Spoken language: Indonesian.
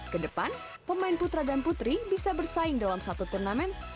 kedepan pemain putra dan putri bisa bersaing dalam satu turnamen